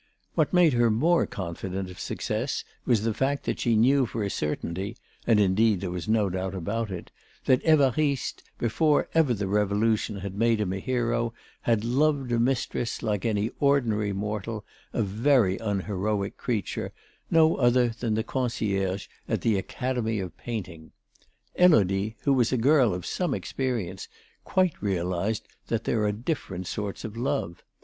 What made her more confident of success was the fact that she knew for a certainty (and indeed there was no doubt about it) that Évariste, before ever the Revolution had made him a hero, had loved a mistress like any ordinary mortal, a very unheroic creature, no other than the concierge at the Academy of Painting. Élodie, who was a girl of some experience, quite realised that there are different sorts of love.